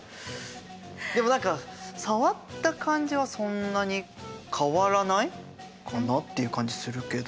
でも何か触った感じはそんなに変わらないかなっていう感じするけど。